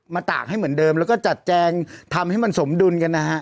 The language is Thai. ตากให้เหมือนเดิมแล้วก็จัดแจงทำให้มันสมดุลกันนะฮะ